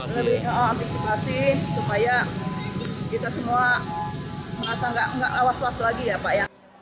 lebih menghentikan virus supaya kita semua masa tidak awas awas lagi ya pak ya